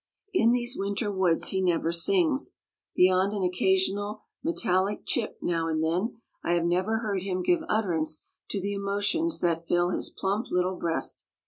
In these winter woods he never sings. Beyond an occasional metallic "chip" now and then I have never heard him give utterance to the emotions that fill his plump little breast.